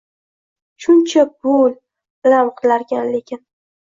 Shuncha puul, alam qilarkan lekin...